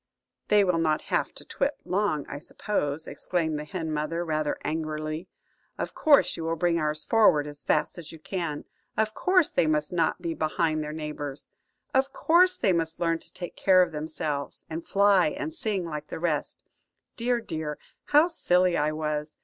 "They will not have to twit long, I suppose," exclaimed the hen mother rather angrily. "Of course you will bring ours forward as fast as you can. Of course they must not be behind their neighbours. Of course they must learn to take care of themselves, and fly and sing, like the rest. Dear, dear! how silly I was!